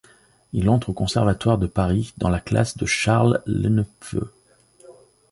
Il entre au Conservatoire de Paris dans la classe de Charles Lenepveu.